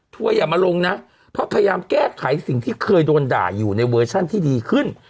อย่ามาลงนะเพราะพยายามแก้ไขสิ่งที่เคยโดนด่าอยู่ในเวอร์ชันที่ดีขึ้น